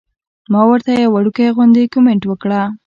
ما ورته يو وړوکے غوندې کمنټ وکړۀ -